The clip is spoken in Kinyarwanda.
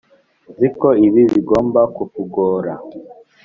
nzi ko ibi bigomba kukugora.